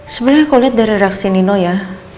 sebenernya kalo liat dari reaksi nino ya